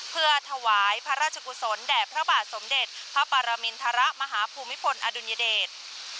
เพื่อถวายพระราชกุศลแด่พระบาทสมเด็จพระปรมินทรมาฮภูมิพลอดุลยเดช